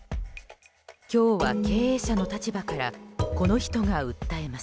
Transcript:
今日は経営者の立場からこの人が訴えます。